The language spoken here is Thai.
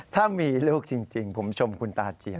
ถ้ามีลูกจริงผมชมคุณตาเจียน